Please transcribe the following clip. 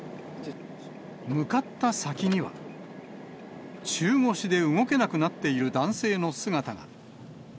向かった先には、中腰で動けなくなっている男性の姿が。